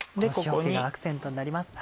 この塩気がアクセントになります。